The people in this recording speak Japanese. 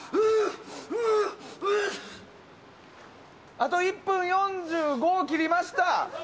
あと１分４５切りました。